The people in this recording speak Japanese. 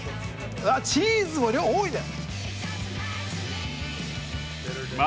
わあチーズも量多いね！